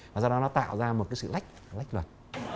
và do đó nó tạo ra một cái sự lách lách luật